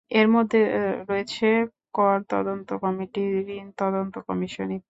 এর মধ্যে রয়েছে কর তদন্ত কমিটি, ঋণ তদন্ত কমিশন।